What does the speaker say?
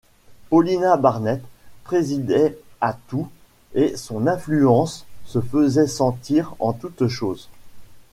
Paulina Barnett présidait à tout, et son influence se faisait sentir en toutes choses.